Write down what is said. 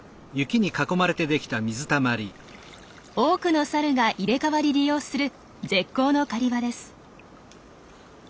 多くのサルが入れ代わり利用する絶好の狩り場です。